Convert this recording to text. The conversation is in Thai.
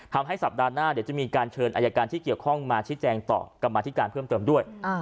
สัปดาห์หน้าเดี๋ยวจะมีการเชิญอายการที่เกี่ยวข้องมาชี้แจงต่อกรรมาธิการเพิ่มเติมด้วย